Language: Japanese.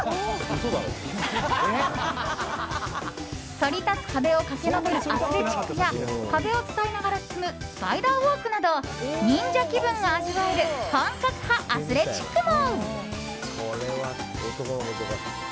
反り立つ壁を駆け上るアスレチックや壁を伝いながら進むスパイダーウォークなど忍者気分が味わえる本格派アスレチックも。